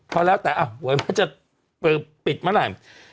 ก็แล้วแต่หวยว่าจะปิดเมื่อไหร่